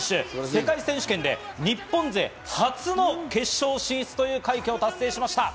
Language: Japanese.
世界選手権で日本勢初の決勝進出という快挙を達成しました。